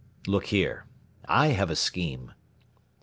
"Look here, I have a scheme."